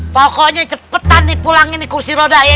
pokoknya cepetan pulangin kursi roda ya